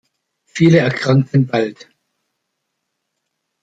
Viele erkrankten bald.